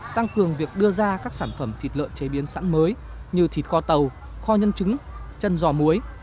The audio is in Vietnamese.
tăng cường việc đưa ra các sản phẩm thịt lợn chế biến sẵn mới như thịt kho tàu kho nhân trứng chân giò muối